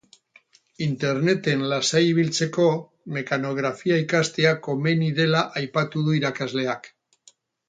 Interneten lasai ibiltzeko mekanografia ikastea komeni dela aipatu du irakasleak.